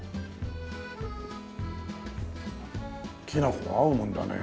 きな粉が合うもんだね。